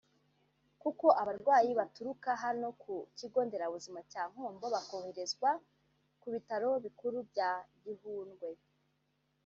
Koko abarwayi baturuka hano ku Kigo nderabuzima cya Nkombo bakoherezwa kubitaro bikuru bya Gihundwe